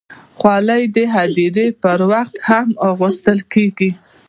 خولۍ د هدیرې پر وخت هم اغوستل کېږي.